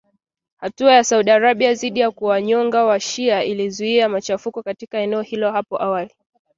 Hatua ya Saudi Arabia dhidi ya kuwanyonga wa shia ilizua machafuko katika eneo hilo hapo awali